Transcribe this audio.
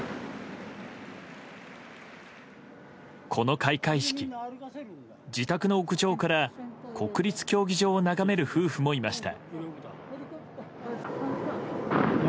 この開会式、自宅の屋上から国立競技場を眺める夫婦もいました。